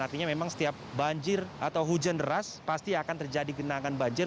artinya memang setiap banjir atau hujan deras pasti akan terjadi genangan banjir